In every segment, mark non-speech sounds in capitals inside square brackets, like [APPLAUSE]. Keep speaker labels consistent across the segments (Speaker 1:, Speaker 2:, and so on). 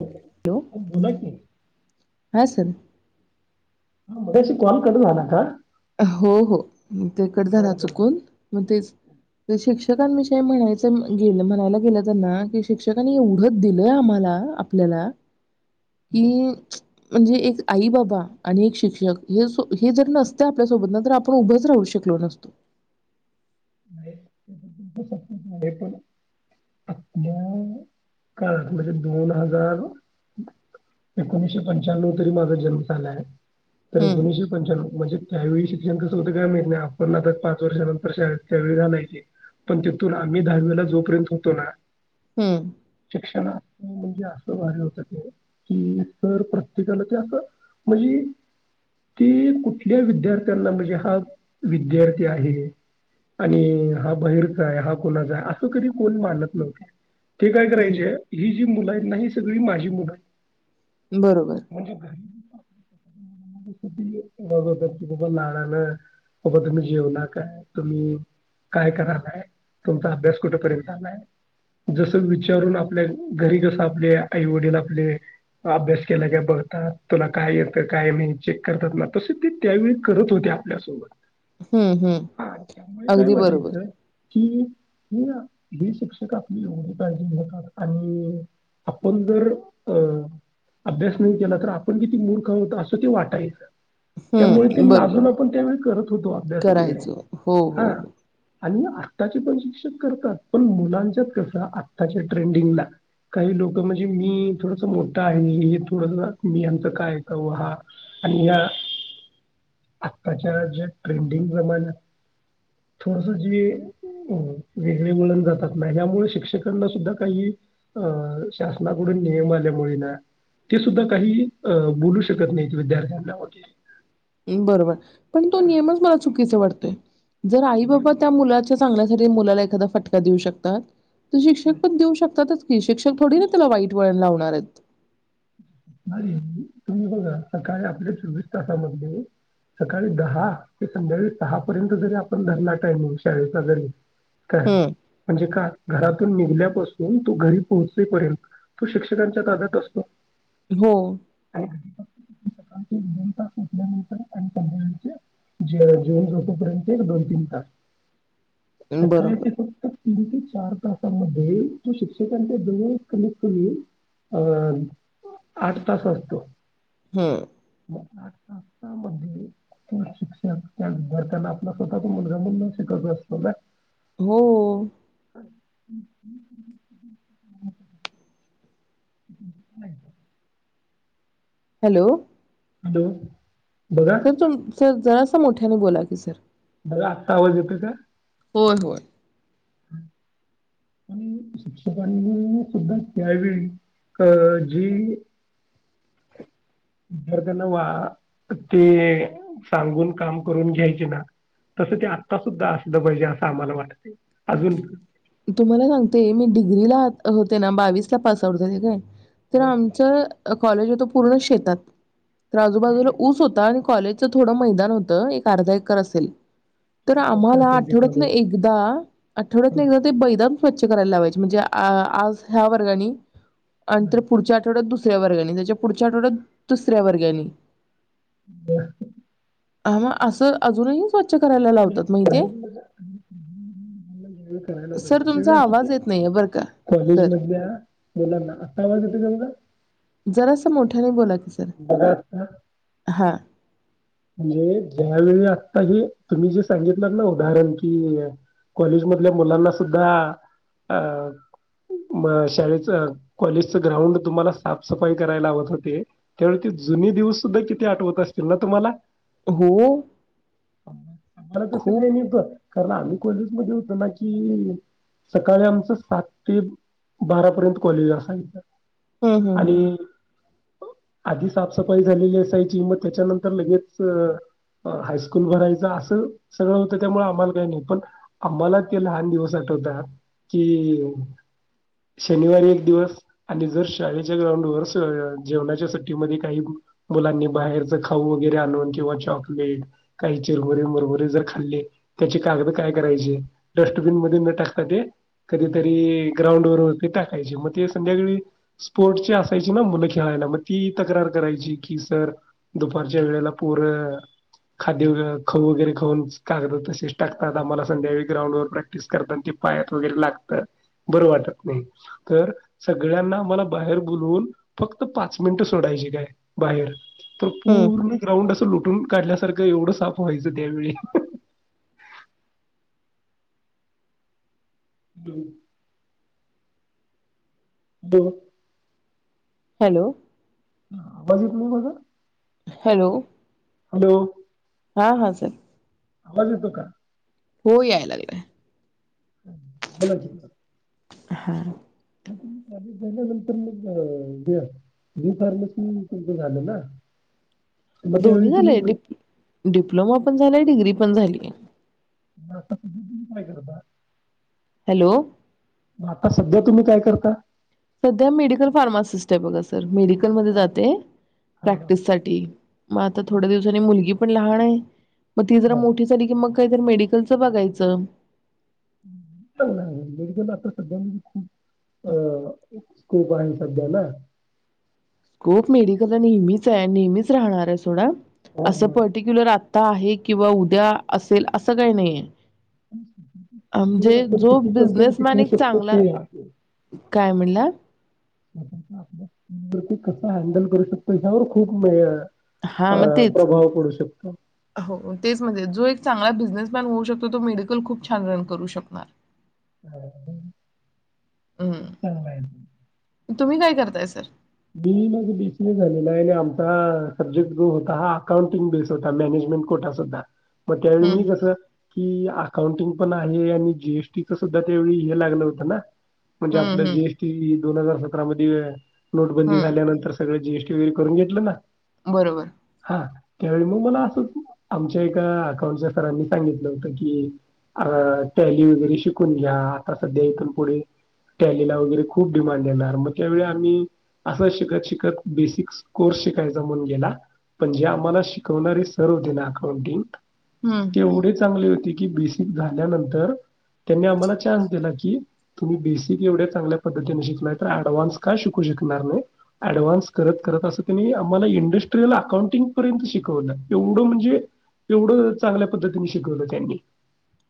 Speaker 1: Hello
Speaker 2: हो, बोला की
Speaker 1: हा सर
Speaker 2: ह मघाशी कॉल कट झाला का?
Speaker 1: हो हो ते कट झाला
Speaker 2: बरं बरं बरं.
Speaker 1: चुकून म तेच शिक्षकांविषयी म्हणायच म्हंजे म्हणायला गेलं त्यांना की, शिक्षकांनी एवढ दिलंय आम्हाला आपल्याला कि म्हणजे एक आई बाबा आणि एक शिक्षक हे सो हे जर नस तो आपल्यासोबत ना तर आपण उभंच राहू शकलो नसतो.
Speaker 2: [UNINTELLIGIBLE] हा म्हणजे दोन हजार एकोणीशे पंच्याण्णव तरी माझा जन्म झालाय. तर
Speaker 1: हम्म
Speaker 2: गणेश पंच म्हणजे त्यावेळी शिक्षण कस होत काय माहिती आपण आता पाच वर्षानंतर शाळेत त्यावेळी घलायचे पण तेथून आम्ही दहावीला जोपर्यंत होतो ना
Speaker 1: हम्म
Speaker 2: क्षणा म्हणजे अस वाटल होत ते की प्रत्येकाला ते अस म्हणजे ते कुठल्या विद्यार्थ्यांना म्हणजे हा विद्यार्थी आहे. आणि हा बाहेरचा आहे, हा कोणाचा आहे असं कधी कोण मानत नव्हतं. ते काय करायचे
Speaker 1: हम्म
Speaker 2: ही जी मुला आहेत ना ही सगळी माझी मुल आहे
Speaker 1: बरोबर
Speaker 2: म्हंजे घरी [UNINTELLIGIBLE] लाडला बाबा तुम्ही जेवला काय तुम्ही काय करायलाय तुमचा अभ्यास कुठपर्यंत आलाय जस विचारून आपल्या घरी कस आपले आई वडील आपले अभ्यास केला का बघतात तुला काय येत काय नाही चेक करतात ना तसे ते त्यावेळी करत होते आपल्यासोबत
Speaker 1: हूं हूं
Speaker 2: ते काय वाटायचं कि हे हे शिक्षक आपली एवढी काळजी घेतात आणि आपण जर अ अभ्यास नाही केला तर आपण किती मूर्ख होत असं ते वाटायचं त्यामुळे ते
Speaker 1: हम्म बरोबर
Speaker 2: लाजून आपण त्यावेळी करत होतो अभ्यास वगैरे
Speaker 1: करायचो हो हो
Speaker 2: हा आणि आत्ताचे पण शिक्षक करतात पण मुलांच्या कसं आत्ताच्या ट्रेंडिंगला काही लोक म्हणजे मी थोडस मोठं आहे हे थोड मीयांचा काय आहे का हा आणि या आत्ताच्या ज्या ट्रेंडिंग जमान थोडस जे अ वेगळे वळण जातात ना यामुळे शिक्षकांना सुद्धा काही अं शासनाकडून नियम आल्यामुळे ना ते सुद्धा काही अं बोलू शकत नाही विद्यार्थ्यांना व
Speaker 1: हम् बरोबर पण तो नियमच मला चुकीचा वाटतोय जर आई बाबा त्या मुला चांगल्या साठी मुलाला एखादा फटका देऊ शकतात शिक्षक पण देऊ शकतातच हे शिक्षक थोडी ना त्याला वाईट वळण लाव मारत
Speaker 2: अरे तुम्ही बघा सकाळी आपल्या चोवीस तासामध्ये सकाळी दहा ते संध्याकाळी सहा पर्यंत जरी आपण धरला टायमिंग शाळेचा जरी काय
Speaker 1: हं
Speaker 2: म्हणजे का? घरातून निघल्यापासून तो घरी पोहोचपर्यंत तो शिक्षकांच्या ताब्यात असतो.
Speaker 1: हो
Speaker 2: [UNINTELLIGIBLE] सकाळचे दोन तास उठल्यानंतर आणि संध्यानकाळचे जे जेऊन झोपे पर्यंत एक दोन तीन तास
Speaker 1: बरोबर
Speaker 2: सकाळचे फक्त तीन ते चार तासाांमध्ये तो शिक्षकांच्या जवळ कमीत कमी अ अ आठ तास असतो.
Speaker 1: हूं
Speaker 2: आठ तासा मध्ये तो शिक्षण त्या विद्यार्थ्यांना आपला स्वतःच मुलगा मुल न शिकवत असत ना
Speaker 1: हो हो
Speaker 2: [INAUDIBLE] [INAUDIBLE]
Speaker 1: हॅलो
Speaker 2: हॅलो बघा
Speaker 1: सर तुमचं जस सर मोठ्याने बोला की सर
Speaker 2: बघा आत्ता आवाज येतोय का
Speaker 1: होय होय
Speaker 2: आणि शिक्षकांनी सुद्धा त्यावेळी अ जी विद्यार्थ्यांना वा ते सांगून काम करून घ्यायचे ना तसं ते आत्ता सुुद्धा असलं पाहिजे असं आम्हाला वाटतय अजून
Speaker 1: तुम्हाला सांगते मी डिग्रीला होते ना बावीसला पास आउट झाले काय तर आमच्या कॉलेज होत पूर्ण शेतात तर आजूबाजूला ऊस होता आणि कॉलेजचं थोडं मैदान होतं एक अर्धा एकर असेल तर
Speaker 2: मस्त
Speaker 1: आम्हाला
Speaker 2: असेल ते
Speaker 1: आठवड्यात ना
Speaker 2: कॉलेज
Speaker 1: एकदा आठवड्यात त्याज ते बैदम स्वच्छ करायला लावायचे म्हणजे आ आज ह्या वर्गानी आण तर पुढच्या आठवड्यात दुस ऱ्या वर्गानी त्याच्या पुढच्या आठवड्यात दुसऱ्या वर्गानी
Speaker 2: [INAUDIBLE]
Speaker 1: हं असं अजून ही स्व
Speaker 2: [INAUDIBLE] [UNINTELLIGIBLE]
Speaker 1: सर तुमचा
Speaker 2: अस ते
Speaker 1: आवाज येत नाहीये बरं का
Speaker 2: कॉलेज
Speaker 1: सर
Speaker 2: मधल्या मुलांना आता आवाज येत का [UNINTELLIGIBLE]
Speaker 1: जरासं मोठ्याने बोला की सर
Speaker 2: बघा आता
Speaker 1: हा
Speaker 2: म्हणजे ज्यावेळी आत्ता हे तुम्ही जे सांगितलंत ना उदाहरण कि कॉलेज मधल्या मुलांना सुद्धा अ शाळेच कॉलेजच ग्राउंड तुम्हाला साफसफाई करायला लावत होते त्यावेळी ते जुनी दिवस सुद्धा किती आठवत असतील ना तुम्हाला आम
Speaker 1: हो
Speaker 2: आम्हाला तस
Speaker 1: खूप
Speaker 2: काय नव्हत. कारण आम्ही कॉलेजमध्ये होतो ना की, सकाळी आमचं सात ते बारापर्यंत कॉलेज असायचं
Speaker 1: हूं हूं हूं
Speaker 2: आणि आधी साफसफाई झालेली असायची मग त्याच्यानंतर लगेच त हायस्कूल भरायच असं सगळं होतं त्यामुळे आम्हाला काही नाही पण आम्हाला ते लहान दिवस आठवतात कि शनिवारी एक दिवस आणि जर शाळेच्या ग्राउंड वर सं जेवणाच्या सुट्टीमध्ये काही मुलांनी बाहेरच खाऊ वगैरे आणून किंवा चॉकलेट काही चिरगुरे मुरमरे जर खाल्ले त्याचे कागद काय करायचे डस्टबिन मध्ये न टाकता ते कधीतरी ग्राउंडवर वरती टाकायचे मग ते संध्याकाळी स्पोर्टची असायचे ना मुलं खेळायला मग ती तक्रार करायची की सर दुपारच्या वेळेला पोरं खाद्य व खाऊ वगैरे खाऊन कागद तसेच टाकतात आम्हाला संध्याकाळी ग्राउंड वर प्रॅक्टिस करतान ते पायात वगैरे लागतात बरं वाटत नाही तर सगळ्यांना आम्हाला बाहेर बोलवून फक्त पाच मिनिटं सोडायची काय बाहेर तो
Speaker 1: हं
Speaker 2: पूर्ण लोटून काढल्यासारखं एवढं साफ व्हायचं त्यावेळी [INAUDIBLE] दो
Speaker 1: हॅलो
Speaker 2: आवाज येत नाही माझा
Speaker 1: हॅलो
Speaker 2: हॅलो
Speaker 1: हा हा सर
Speaker 2: आवाज येतो का?
Speaker 1: हो याय लागलाय.
Speaker 2: बोला की आता-
Speaker 1: हा-
Speaker 2: कॉलेज झाल्या नंतर मग ब बी फार्मसी तुमचं झालं ना मग
Speaker 1: दोन्ही
Speaker 2: त्यावेळी
Speaker 1: झाले
Speaker 2: तुम्ही मग
Speaker 1: डीप डिप डिप्लोमा पण झालाय डिग्री पण झालीय
Speaker 2: म आता तुम्ही तुम्ही काय करता?
Speaker 1: हॅलो
Speaker 2: म आता सध्या तुम्ही काय करता?
Speaker 1: सध्या मेडिकल फार्मासिस्ट बघा स तर मेडिकल मधे
Speaker 2: हा
Speaker 1: जातेय
Speaker 2: हा
Speaker 1: प्रॅक्टिस साठी म आता
Speaker 2: बरं. हा.
Speaker 1: थोड्या दिवसाने मुलगी पण लाहाने म ती जरा मोठी झाली की मग काहीतरी मेडिकलच बघायच
Speaker 2: [UNINTELLIGIBLE] मेडिकल ला आताच सध्या म्हणजे खूप अ स्कोप आहे सध्या ना
Speaker 1: कोप मेडिकला नेहमीच आहे नेहमीच राहणारे सोडा
Speaker 2: आज
Speaker 1: असं पर्टिक्युलर आ ता आहे किंवा उद्या असेल असं काही नाइये.
Speaker 2: आपण किती पर्सेंट
Speaker 1: बिझनेसमॅन
Speaker 2: टिकूवु
Speaker 1: एक
Speaker 2: शकतो ते
Speaker 1: चांगला
Speaker 2: [UNINTELLIGIBLE] आप
Speaker 1: काय म्हणला
Speaker 2: न आपल्याला सिल्क वरती कस हँडल करू शकतो त्यावर खूप
Speaker 1: हा मग तेच
Speaker 2: प्रभाव पडू शकतो.
Speaker 1: हो तेच म जो एक चांगला बिझनेसमॅन होऊ शकतो तो मेडिकल खूप छान रन करू शकणार. हम्म.
Speaker 2: [UNINTELLIGIBLE]
Speaker 1: तुम्ही काय करताय सर?
Speaker 2: बीई म्हणजे बीसीए झालेला आहे आणि आमचा सब्जेक्ट जो होता हा अकाउंटिंग बेस होता मॅनेजमेंट कोटा सुद्धा म त्यावेळी मी
Speaker 1: हम्म
Speaker 2: कस की अकाउंटिंग पण आहे आणि जीएसटीच सुद्धा त्या वेळी हे लागलं होतं ना म्हणजे आपल
Speaker 1: हम्म हम्म
Speaker 2: जीएसटी दोन हजार सतरा मधिये नोटबंदी
Speaker 1: हं,
Speaker 2: झाल्यानंतर सगळं जीएस की वीर करून घेतलं ना
Speaker 1: बरोबर
Speaker 2: हां, त्यावेळी मग मला असं आमच्या एका अकाउंटच्या सरांनी सांगितलं होत कीअअ टॅली वगैरे शिकून घ्या आता सध्या इथून पुढे टॅलीला वगैरे खूप डिमांड येणार मग त्यावेळी आम्ही असं शिकत शिकत बेसिक्स कोर्स शिकायचा म्हनू गेला पणजे आम्हाला शिकवणारे सर होते ना अकाउंटिंग
Speaker 1: हं.
Speaker 2: तेवढी चांगली होती की बेसिक झाल्यानंतर त्यांनी आम्हाला चान्स दिला की तुम्ही बेसिक एवढ्या चांगल्या पद्धतीने शिकलाय तर ऍडव्हान्स का शि कु शकणार नाही ऍडव्हान्स करत करत अस त्यांनी आम्हाला इंडस्ट्रीयल अकाउंटिंग पर्यंत शिकवलं एवढं म्हणजे एवढं चांगल्या पद्धतीने शिकवलं त्यांनी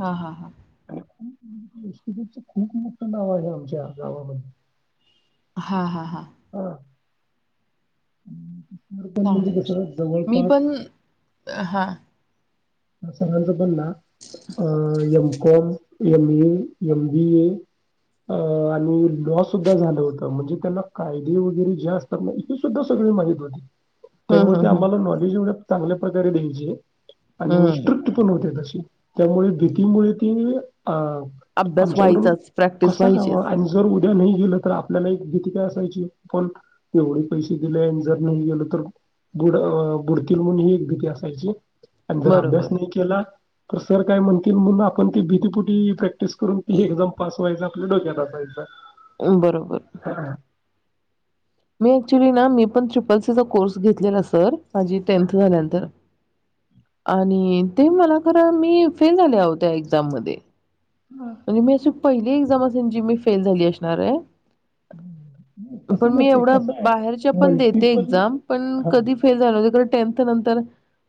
Speaker 1: हा हा हा
Speaker 2: इन्स्टिटयूट च खूप मोठं नाव आहे आमच्या गावामध्ये
Speaker 1: हा हा हा
Speaker 2: [UNINTELLIGIBLE] म्हणजे
Speaker 1: चांगली गोषे,
Speaker 2: कसं
Speaker 1: मी
Speaker 2: जवळपास
Speaker 1: पण हां.
Speaker 2: अ संगायल जर बन ना अं यम गेन्स, M B A, L B A आ आणि लॉ सुद्धा झालं होतं म्हणजे त्यांना कायदे वगैरे ज्या असतात ना इते सुद्धा सगळं माहित होती.
Speaker 1: हं,
Speaker 2: त्यामुळ ते
Speaker 1: हं, हं.
Speaker 2: आम्हाला नॉलेज एवरं चांगल्या प्रकारे द्यायची आय. आणि
Speaker 1: हं.
Speaker 2: स्ट्रिक्ट पण होते तसे. त्यामुळे भीतीमुळे ते अ
Speaker 1: अभ्यास
Speaker 2: आमच्याकडून
Speaker 1: व्हायचाच, प्रॅक्टिस
Speaker 2: कसा कळवा,
Speaker 1: व्हायचीच.
Speaker 2: आणि जर उत या नही गेलं तर आपल्याला ए भीती काय असायची, पण एवढे पैसे दिले आण् जर नाही गेलो तर बुड अं बुडतील म्हून ही एक भीती असायची. आणि जर अभ्यास
Speaker 1: बरोबर.
Speaker 2: नाही केला तर सर काय म्हणतील म्हणून आपण ते भीतीपुटी कय प्रिस् करून हे एक्झम पास व्हायचा. ट्लं डोक्यात असायचं.
Speaker 1: अं बरोबर.
Speaker 2: [UNINTELLIGIBLE]
Speaker 1: मी एक्च्युली ना मी पण ट्रिपलसीचा कोर्स घेतलेला सर. आजी टेन्थ झाल्यांतर. आणि, ते मला खरं मी फेल झाले आहो त्या एक्झाम मध्ये.
Speaker 2: हा.
Speaker 1: [UNINTELLIGIBLE] पहिली एक्झाम असेन जी मी फेल झाली असणार आय.
Speaker 2: तसं न
Speaker 1: मी एवढा बाहेरच्या पण देते एक्झाम पण
Speaker 2: हा
Speaker 1: कधी
Speaker 2: नाही,
Speaker 1: फेल झालं नवे कारन् टेन्थ नंतर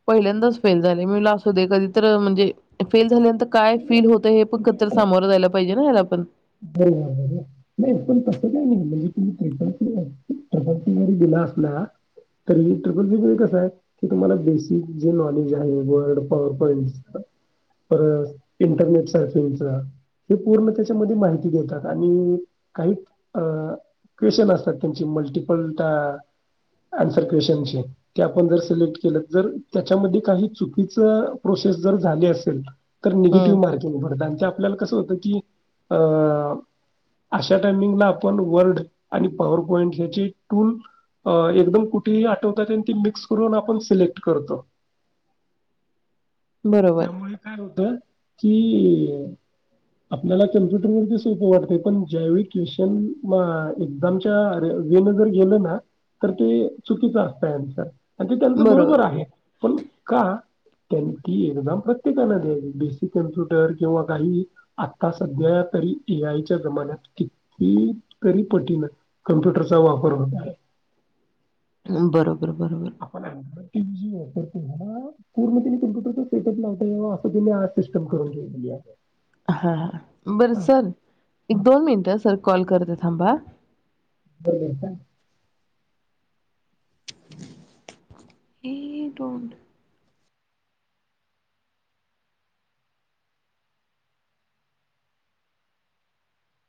Speaker 1: पहिल्यांदाच फेल झाले, मी म्हटलं असू दे कधी तर म्हणजे फेल झाल्यानं तर काय
Speaker 2: नाही,
Speaker 1: फील होतय हे पण
Speaker 2: तसं
Speaker 1: क
Speaker 2: काही
Speaker 1: तर
Speaker 2: नाही.
Speaker 1: सामोरं जायला पाहिजे ना मलापण.
Speaker 2: [UNINTELLIGIBLE] नाही पण तसं काही नाही म्हणजे तुम्ही ट्रिपल प्लेलाय डबल तीयारी दिला असला तरी ट्रिपल [UNINTELLIGIBLE] कसं आय की तुम्हाला बेसिक जे नॉलेज आहे वर्ल्ड पॉवर पॉइंट परत इंटरनेट सर्चिंगच हे पूर्ण त्याच्यामध्ये माहित् ती घेतात, आणि काही अं क्वेश्चन असतात त्यांचे मल्टीपल त्या आंसर क्वेश्चन शी त्या पण जर सिलेक्ट केलं जर त्याच्यामध्ये काही चुकीचं प्रोसेस जर झाली असेल तर
Speaker 1: हम्म.
Speaker 2: निगेटिव्ह मार्किंग पडतं आन् त्यात पल्याल कसं होतं की, अं अशा टाइमिंगला आपण वर्ड आणि पॉवर पॉइंट ह्याची टूल अ एकदम कुठेही आठवतात ते मिक्स करून आपण सिलेक्ट करतो.
Speaker 1: बरोबर
Speaker 2: त्यामुळे काय होतं? कि य, आपल्याला कम्प्युटर वरती स् वाटतय पण ज्यावेळी ट्युशन म एक्झामच्या वेन जर गेलं ना तर ते चुकीचं असतंय अन्सर आणि त्यांचं बरोबर आहे आणि का? त्यांनी ती एक्झाम प्रत्येकाना द्यावी बेसिक कम्प्युटर किंवा काही आता सध्या तरी ए आयच्या जमान्यात कितीतरी पटीन कमप्युटरचा वापर होत आहे.
Speaker 1: बरोबर बरोबर
Speaker 2: तर तेव्हा ना पूर्ण तेनी कम्प्युटरचा सेटअप लावता यावा असं त्याने आर्टिस्ट कामं करून ठेवलेली आहे.
Speaker 1: हा हा
Speaker 2: हा,
Speaker 1: बरसं
Speaker 2: हा.
Speaker 1: एक दोन मिनिट हं सर कॉल करते थांबा
Speaker 2: बरं बरं काय
Speaker 1: हे डोन्ट